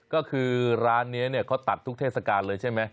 ก็คือร้านนี้เขาตัดทุกเทศกาลเลยใช่ไหม